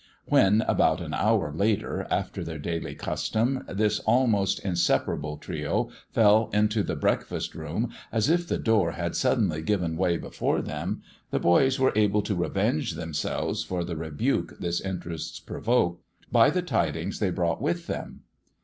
When, about an hour later, after their daily custom, this almost inseparable trio fell into the breakfast room as if the door had suddenly given way before them, the boys were able to revenge themselves for the rebuke this entrance provoked by the tidings they brought with them.